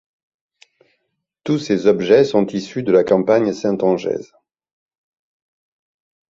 Tous ces objets sont issus de la campagne saintongeaise.